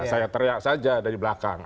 saya teriak saja dari belakang